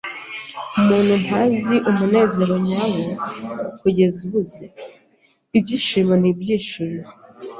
Umuntu ntazi umunezero nyawo kugeza abuze. Ibyishimo n'ibyishimo